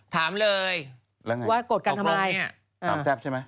ถามเลยว่าโกรธกันทำอะไร